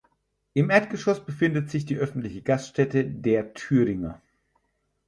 Im Erdgeschoss befindet sich die öffentliche Gaststätte "Der Thüringer".